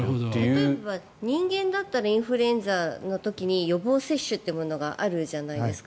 例えば人間だったらインフルエンザの時に予防接種っていうものがあるじゃないですか。